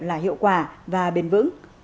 là hiệu quả và bền vững